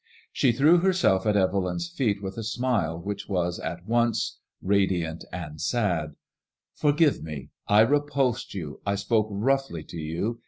She threw herself at Evelyn's feet with a smile which was at once radiant and sad :*^ Forgive me ; I repulsed you, I spoke roughly to you.